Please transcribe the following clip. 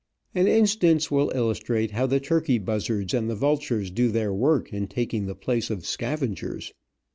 An instance AFTER THE JAGUAR HUNT. will illustrate how the turkey buzzards and the vultures do their work in taking the place of scavengers.